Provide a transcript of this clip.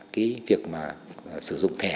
cái việc mà sử dụng thẻ